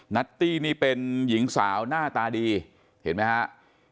ัตตี้นี่เป็นหญิงสาวหน้าตาดีเห็นไหมฮะ